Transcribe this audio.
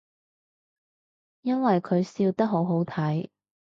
因為佢笑得好好睇